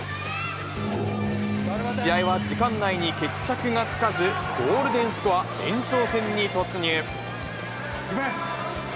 試合は時間内に決着がつかず、ゴールデンスコア、延長戦に突入。